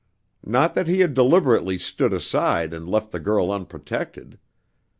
Not that he had deliberately stood aside and left the girl unprotected.